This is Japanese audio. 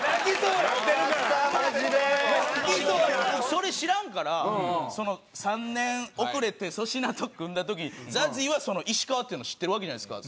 それ知らんから３年遅れて粗品と組んだ時ＺＡＺＹはその石川っていうの知ってるわけじゃないですか。